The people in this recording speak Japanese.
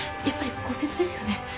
やっぱり骨折ですよね？